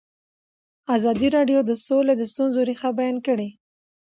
ازادي راډیو د سوله د ستونزو رېښه بیان کړې.